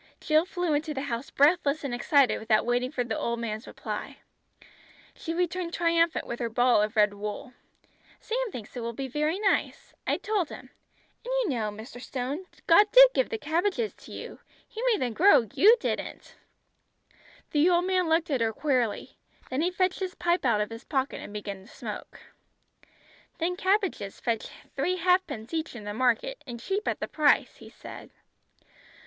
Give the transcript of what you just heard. Jill flew into the house breathless and excited without waiting for the old man's reply. She returned triumphant with her ball of red wool. "Sam thinks it will be very nice. I told him. And you know, Mr. Stone, God did give the cabbages to you. He made them grow, you didn't!" The old man looked at her queerly. Then he fetched his pipe out of his pocket and began to smoke. "Them cabbages fetch three halfpence each in the market, and cheap at the price," he said.